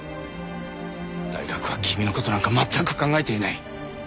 大学は君の事なんか全く考えていない。